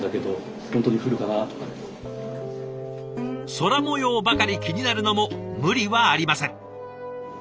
空もようばかり気になるのも無理はありません。